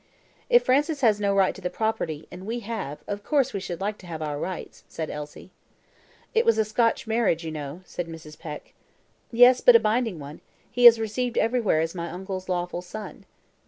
"If Francis has no right to the property, and we have, of course we should like to have our rights," said Elsie. "It was a Scotch marriage, you know," said Mrs. Peck. "Yes, but a binding one; he is received everywhere as my uncle's lawful son."